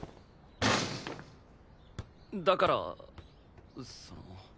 だからその。